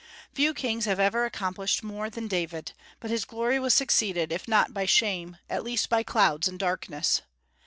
Few kings have ever accomplished more than David; but his glory was succeeded, if not by shame, at least by clouds and darkness.